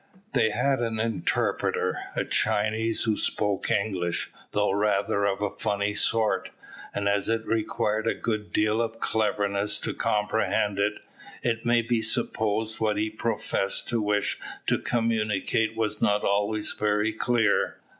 They had an interpreter, a Chinese, who spoke English, though rather of a funny sort, and as it required a good deal of cleverness to comprehend it, it may be supposed what he professed to wish to communicate was not always very clear.